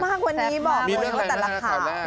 แซ่บมากวันนี้บอกมีเรื่องอะไรนะฮะข่าวแรก